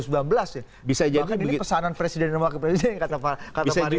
maka ini pesanan presiden dan wakil presiden yang kata fahri hamzah